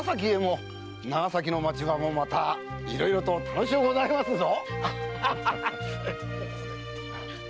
長崎の町場もまたいろいろ楽しゅうございますぞ。